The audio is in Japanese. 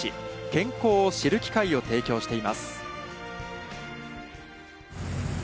「健康を知る」機会を提供しています。